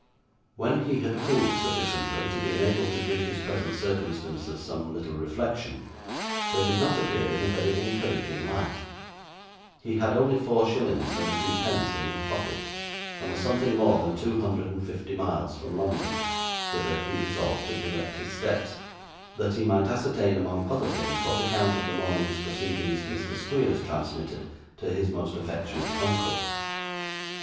When he had cooled sufficiently to be enabled to give his present circumstances some little reflection, they did not appear in a very encouraging light; he had only four shillings and a few pence in his pocket, and was something more than two hundred and fifty miles from London, whither he resolved to direct his steps, that he might ascertain, among other things, what account of the morning's proceedings Mr. Squeers transmitted to his most affectionate uncle.